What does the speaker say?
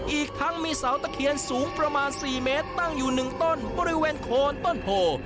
อีกทั้งมีเสาตะเคียนสูงประมาณ๔เมตรตั้งอยู่๑ต้นบริเวณโคนต้นโพ